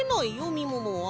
みももは。